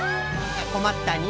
こまったね